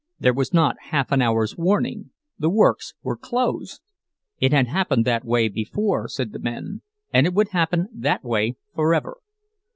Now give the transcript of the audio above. There was not half an hour's warning—the works were closed! It had happened that way before, said the men, and it would happen that way forever.